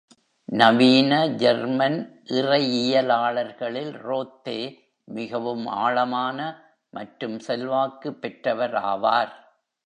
நவீன ஜெர்மன் இறையியலாளர்களில் ரோத்தே மிகவும் ஆழமான மற்றும் செல்வாக்கு பெற்றவர் ஆவார்.